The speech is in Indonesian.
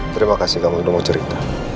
terima kasih kamu nunggu cerita